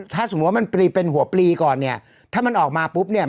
ถ้าสมมุติว่ามันปลีเป็นหัวปลีก่อนเนี่ยถ้ามันออกมาปุ๊บเนี่ย